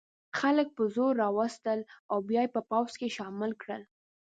خلک په زور را وستل او بیا یې په پوځ کې شامل کړل.